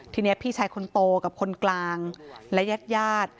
ทีนี้พี่ชายคนโตกับคนกลางและญาติญาติ